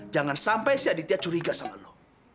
jangan sampai si aditya curiga sama lo